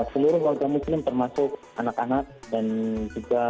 seluruh warga muslim termasuk anak anak dan juga